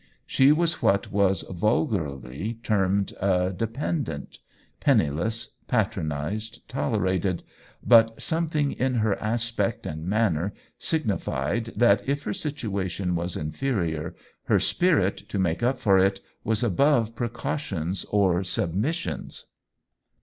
She was what was vulgarly termed a dependant — penni less, patronized, tolerated ; but something in OWEN WINGRAVE 199 her aspect and manner signified that, if her situation was inferior, her spirit, to make up for it, was above precautions or submis sions.